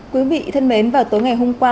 quý vị thân mến vào tối ngày hôm qua